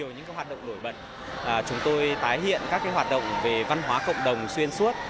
những hoạt động nổi bật chúng tôi tái hiện các hoạt động về văn hóa cộng đồng xuyên suốt